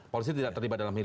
polisi tidak terlibat dalam ini